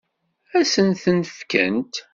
Ad sen-ten-fkent?